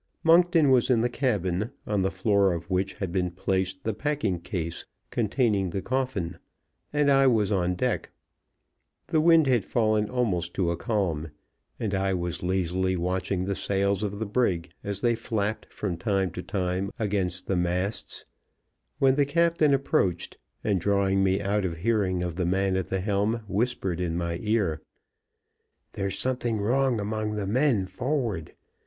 Monkton was in the cabin, on the floor of which had been placed the packing case containing the coffin, and I was on deck. The wind had fallen almost to a calm, and I was lazily watching the sails of the brig as they flapped from time to time against the masts, when the captain approached, and, drawing me out of hearing of the man at the helm, whispered in my ear: "There's something wrong among the men forward.